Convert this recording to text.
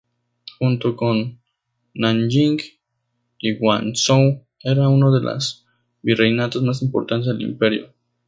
Junto con Nanjing y Guangzhou, era uno de las virreinatos más importantes del imperio.